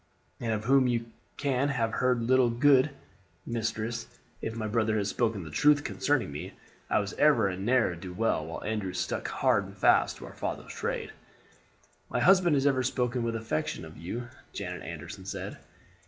"And of whom you can have heard little good, mistress, if my brother has spoken the truth concerning me. I was ever a ne'er do well, while Andrew struck hard and fast to our father's trade." "My husband has ever spoken with affection of you," Janet Anderson said.